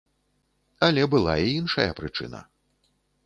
Але была і іншая прычына.